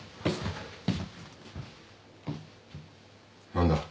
・何だ。